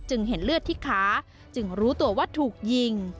เห็นเลือดที่ขาจึงรู้ตัวว่าถูกยิง